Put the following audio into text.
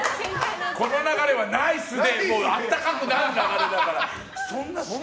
この流れはナイスで温かくなる流れだから！